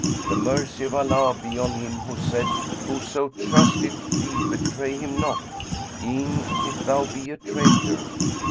The mercy of Allah be on him who said, 'Whoso trusteth thee betray him not, e'en if thou be a traitor.'